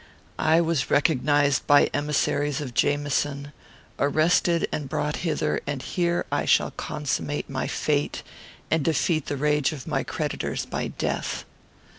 I was recognised by emissaries of Jamieson, arrested and brought hither, and here shall I consummate my fate and defeat the rage of my creditors by death.